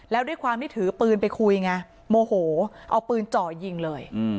แล้วด้วยความที่ถือปืนไปคุยไงโมโหเอาปืนเจาะยิงเลย